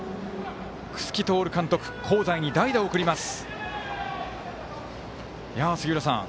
楠城徹監督、香西に代打を送ります。